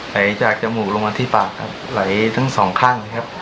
ไหลจากจมูกลงมาที่ปากครับไหลทั้งสองข้างนะครับ